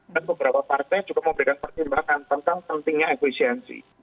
dan beberapa partai juga memberikan pertimbangan tentang pentingnya efisiensi